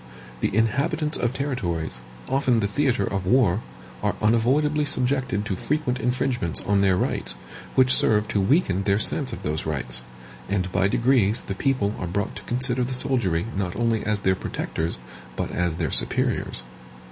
The inhabitants of territories, often the theatre of war, are unavoidably subjected to frequent infringements on their rights, which serve to weaken their sense of those rights; and by degrees the people are brought to consider the soldiery not only as their protectors, but as their superiors.